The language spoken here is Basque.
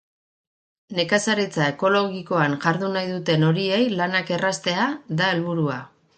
Nekazaritza ekologikoan jardun nahi duten horiei lanak erraztea da helburua.